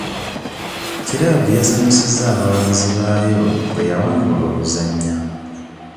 Kiraabu yasanyusa abawagizi baayo bwe yawangula oluzannya.